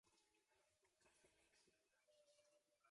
κάθε λέξη